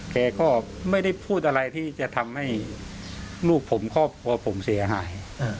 แกก็ไม่ได้พูดอะไรที่จะทำให้ลูกผมครอบครัวผมเสียหาย